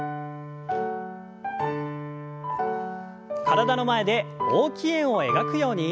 体の前で大きい円を描くように。